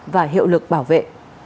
và hiệu lực bảo vệ